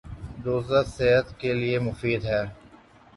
روزہ صحت کے لیے مفید ہے